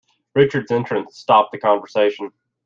Richard's entrance stopped the conversation.